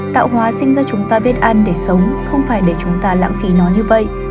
tạo hòa sinh ra chúng ta biết ăn để sống không phải để chúng ta lãng phí nó như vậy